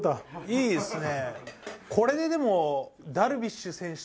いいですね。